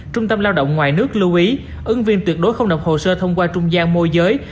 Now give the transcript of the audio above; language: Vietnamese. trung tâm lao động ngoài nước lưu ý ứng viên tuyệt đối không đọc hồ sơ thông qua trung gian môi giới